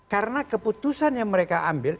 karena keputusan yang mereka ambil